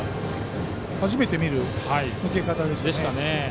初めて見る抜け方でしたね。